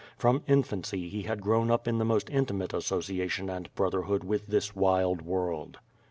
From infancy he had grown up in the most intimate agsociation and brotherhood with this wild world.